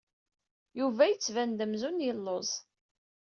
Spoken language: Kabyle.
Yuba yettban-d amzun yelluẓ.